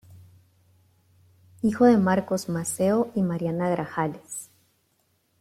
Hijo de Marcos Maceo y Mariana Grajales.